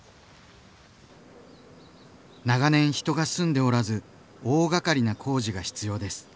長年人が住んでおらず大がかりな工事が必要です。